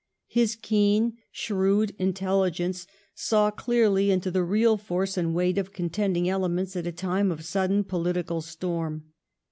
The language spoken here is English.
His keen, shrewd intelligence saw clearly into the real force and weight of contending elements at a time of sudden political storm.